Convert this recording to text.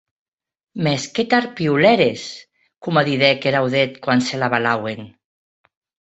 Mès que tard piulères, coma didec er audèth quan se l’avalauen.